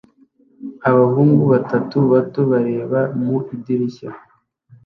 Abahungu batatu bato bareba mu idirishya